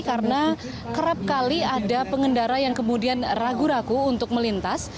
karena kerap kali ada pengendara yang kemudian ragu ragu untuk melintas